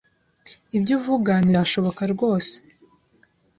Ibyo uvuga ntibyashoboka rwose!